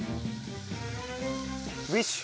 ウィッシュ。